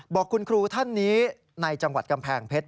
บอกคุณครูท่านนี้ในจังหวัดกำแพงเพชร